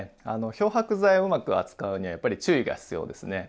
漂白剤をうまく扱うにはやっぱり注意が必要ですね。